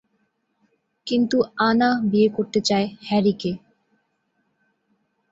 কিন্তু "আন্না" বিয়ে করতে চায় "হ্যারি"কে।